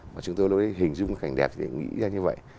mà chúng tôi lúc đấy hình dung cái cảnh đẹp để nghĩ ra như vậy